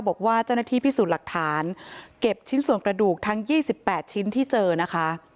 บอกว่าเจ้าหน้าที่พิสูจน์หลักฐานเก็บชิ้นส่วนกระดูกทั้ง๒๘ชิ้นที่เจอนะคะ